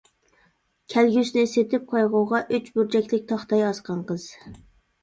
كەلگۈسىنى سېتىپ قايغۇغا، ئۈچ بۇرجەكلىك تاختاي ئاسقان قىز.